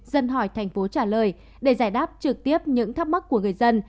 dân hỏi tp hcm để giải đáp trực tiếp những thắc mắc của người dân